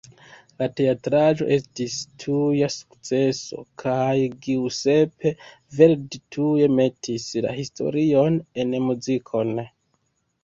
La teatraĵo estis tuja sukceso, kaj Giuseppe Verdi tuj metis la historion en muzikon.